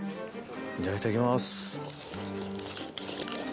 じゃあいただきます。